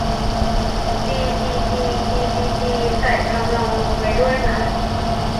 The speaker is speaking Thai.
จี จี จี จี จี จี ใส่ทำนองลงไปด้วยนะ